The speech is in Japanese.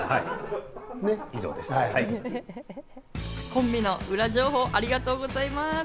コンビの裏情報ありがとうございます。